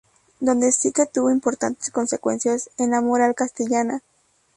Donde sí que tuvo importantes consecuencias fue en la moral castellana.